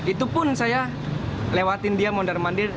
itu pun saya lewatin dia mondar mandir